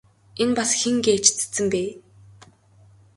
Энэ бас хэн гээч цэцэн бэ?